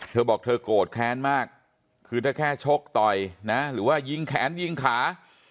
เธอบอกเธอโกรธแค้นมากคือถ้าแค่ชกต่อยนะหรือว่ายิงแขนยิงขา